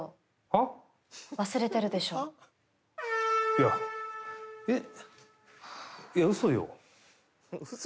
いや。えっ？